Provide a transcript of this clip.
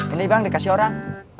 ini bang dikasih orang